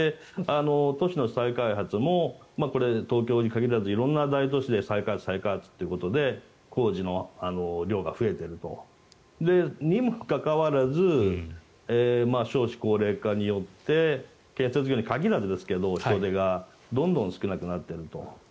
都市の再開発も東京に限らず色んな大都市で再開発、再開発ということで工事の量が増えていると。にもかかわらず少子高齢化によって建設業に限らずですが、人手がどんどん少なくなっていると。